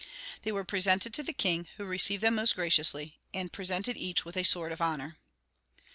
They were presented to the king, who received them most graciously, and presented each with a sword of honor.